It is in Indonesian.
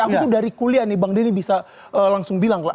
aku tuh dari kuliah nih bang denny bisa langsung bilang